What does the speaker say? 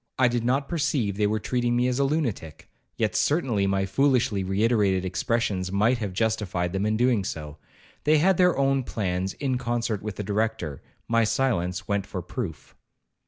I did not perceive they were treating me as a lunatic, yet certainly my foolishly reiterated expressions might have justified them in doing so,—they had their own plans in concert with the Director,—my silence went for proof.